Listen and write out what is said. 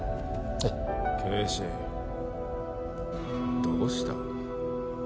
はい啓示どうした？